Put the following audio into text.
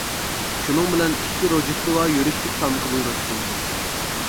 شۇنىڭ بىلەن ئىككى روژدېستۋا يۈرۈشلۈك تامىقى بۇيرۇتتۇم.